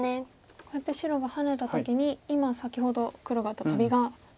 こうやって白がハネた時に今先ほど黒が打ったトビがいいところに。